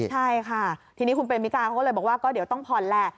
ใช่ค่ะทีนี้คุณเมมิกาเขาเลยบอกว่าก็เดี๋ยวต้องผ่อนแหละ